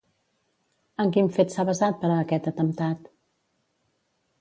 En quin fet s'ha basat per a aquest atemptat?